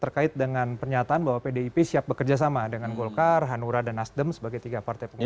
terkait dengan pernyataan bahwa pdip siap bekerja sama dengan golkar hanura dan nasdem sebagai tiga partai pengusung